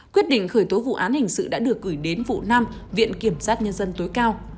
quyết định khởi tố vụ án hình sự đã được gửi đến vụ năm viện kiểm sát nhân dân tối cao